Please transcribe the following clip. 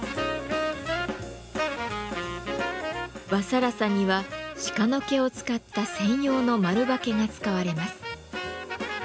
和更紗には鹿の毛を使った専用の丸刷毛が使われます。